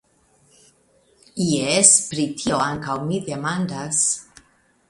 Jes, pri tio ankaŭ mi demandas?